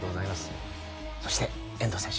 そして遠藤選手